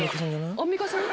アンミカさん？